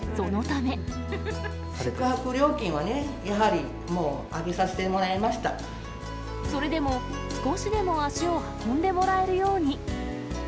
宿泊料金はやはりもう上げさそれでも、少しでも足を運んでもらえるように。